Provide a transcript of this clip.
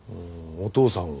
お父さんを。